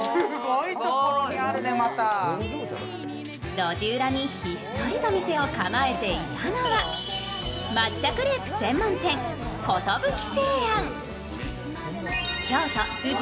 路地裏にひっそりと店を構えていたのは抹茶クレープ専門店、寿清庵。